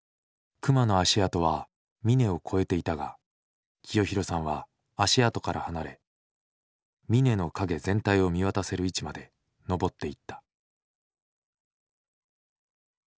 熊の足跡は峰を越えていたが清弘さんは足跡から離れ峰の陰全体を見渡せる位置まで登っていった。